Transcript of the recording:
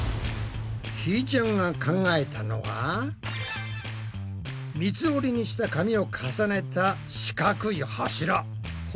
ひーちゃんが考えたのは三つ折りにした紙を重ねた四角い柱。